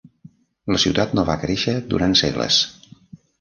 La ciutat no va créixer durant segles.